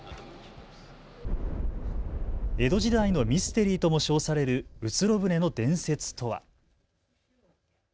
江戸時代のミステリーとも称されるうつろ舟の伝説とは。